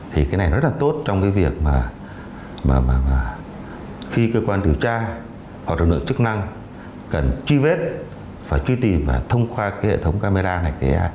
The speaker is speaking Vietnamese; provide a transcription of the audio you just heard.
thì cái này rất là tốt trong cái việc mà khi cơ quan điều tra hoặc lực lượng chức năng cần truy vết và truy tìm và thông qua cái hệ thống camera này